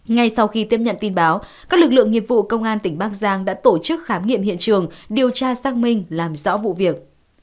ngay sau khi tiếp nhận tin báo các lực lượng nghiệp vụ công an tỉnh bắc giang đã tổ chức khám nghiệm hiện trường điều tra xác minh làm rõ vụ việc